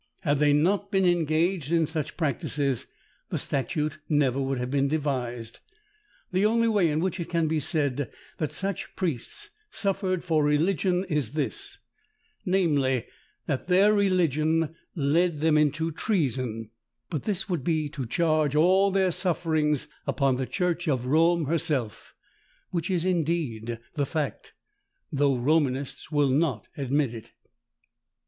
Had they not been engaged in such practices, the statute never would have been devised. The only way, in which it can be said, that such priests suffered for religion is this, namely, that their religion led them into treason; but this would be to charge all their sufferings upon the church of Rome herself, which is indeed the fact, though Romanists will not admit it.